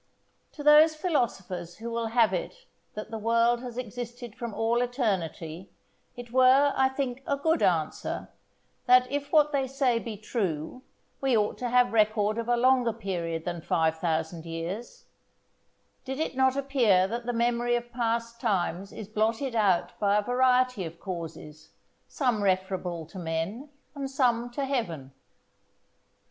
To those philosophers who will have it that the world has existed from all eternity, it were, I think, a good answer, that if what they say be true we ought to have record of a longer period than five thousand years; did it not appear that the memory of past times is blotted out by a variety of causes, some referable to men, and some to Heaven.